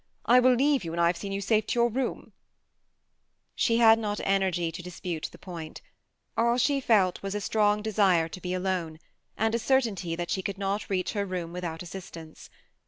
I will leave you when I have seen you safe to your room/* She had not energy to dispute the point : all she felt was a strong desire to be alone, and a certainty that she could not reach her room without assistance.